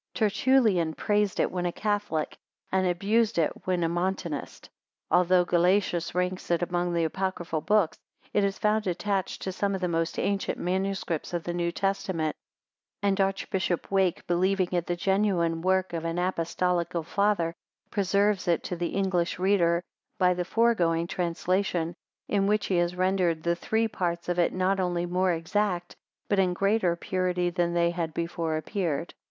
Tertullian praised it when a Catholic, and abused it when a Montanist. Although Gelasius ranks it among the apocryphal books, it is found attached to some of the most ancient MSS. of the New Testament; and Archbishop Wake, believing it the genuine work of an apostolical Father, preserves it to the English reader by the foregoing translation, in which he has rendered the three parts of it not only more exact, but in greater purity than they had before appeared.